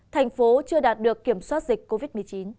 thành phố chưa đạt được kiểm soát dịch covid một mươi chín